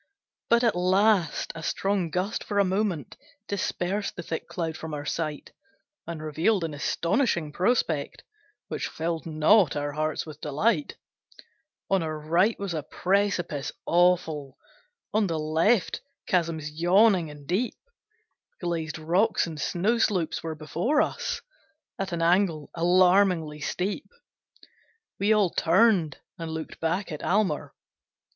But at last a strong gust for a moment Dispersed the thick cloud from our sight, And revealed an astonishing prospect, Which filled not our hearts with delight: On our right was a precipice awful; On the left chasms yawning and deep; Glazed rocks and snow slopes were before us, At an angle alarmingly steep. We all turned and looked back at Almer.